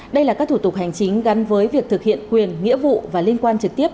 đây là các thủ tục hành chính gắn với việc thực hiện quyền nghĩa vụ và liên quan trực tiếp